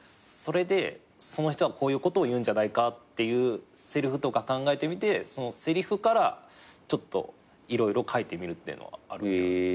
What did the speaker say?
それでその人はこういうことを言うんじゃないかっていうせりふとか考えてみてそのせりふからちょっと色々書いてみるっていうのはある。